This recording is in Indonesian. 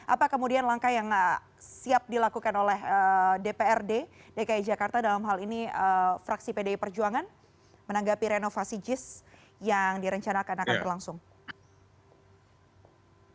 apa kemudian langkah yang siap dilakukan oleh dprd dki jakarta dalam hal ini fraksi pdi perjuangan menanggapi renovasi jis yang direncanakan akan berlangsung